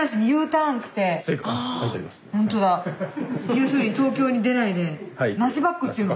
要するに東京に出ないで梨バックって言うの？